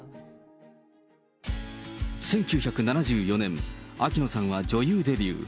１９７４年、秋野さんは女優デビュー。